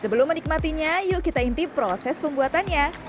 sebelum menikmatinya yuk kita intip proses pembuatannya